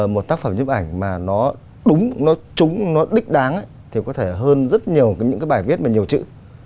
một tác phẩm nhếp ảnh mà nó đúng nó trúng nó đích đáng thì có thể hơn rất nhiều những cái bài viết mà nhiều chữ